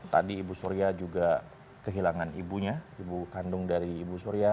tadi ibu surya juga kehilangan ibunya ibu kandung dari ibu surya